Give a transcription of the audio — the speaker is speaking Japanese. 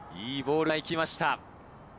いいボールが行きました。